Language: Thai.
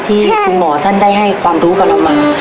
ที่คุณหมอท่านได้ให้ความรู้กับเรามา